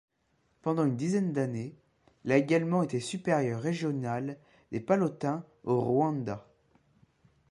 Pendant une dizaine d'années, il a également été supérieur régional des Pallottins au Rwanda.